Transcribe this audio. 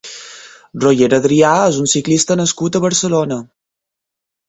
Roger Adrià és un ciclista nascut a Barcelona.